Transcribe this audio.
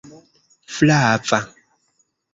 flava